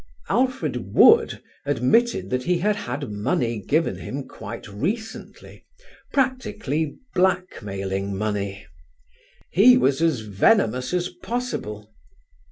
Alfred Wood admitted that he had had money given him quite recently, practically blackmailing money. He was as venomous as possible.